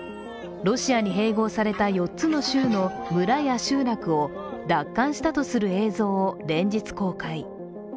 ロシアに併合された４つの州の村や集落を奪還したとする映像を連日、公開。